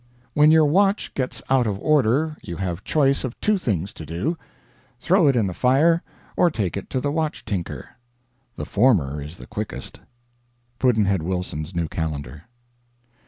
When your watch gets out of order you have choice of two things to do: throw it in the fire or take it to the watch tinker. The former is the quickest. Pudd'nhead Wilson's New Calendar.